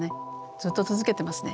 ずっと続けてますね。